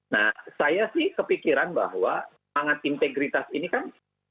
nah saya sih kepikiran bahwa semangat integritas ini kan